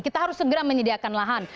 kita harus segera menyediakan lahan